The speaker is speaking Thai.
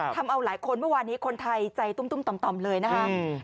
ทำเอาหลายคนเมื่อวานนี้คนไทยใจตุ้มต่อมเลยนะคะ